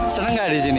senang gak di sini